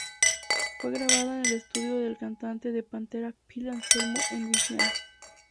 Fue grabada en el estudio del cantante de Pantera Phil Anselmo en Luisiana.